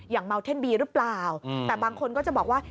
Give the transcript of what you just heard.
เมาเท่นบีหรือเปล่าแต่บางคนก็จะบอกว่า